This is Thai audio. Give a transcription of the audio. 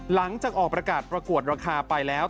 หลังจากออกประกาศประกวดราคาไปแล้ว